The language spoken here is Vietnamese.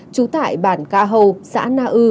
trú tại bản ca hầu xã na ư